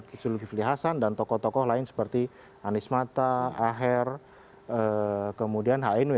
zulkifli hasan dan tokoh tokoh lain seperti anies mata aher kemudian hnw